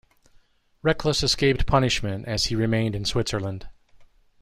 Reclus escaped punishment as he remained in Switzerland.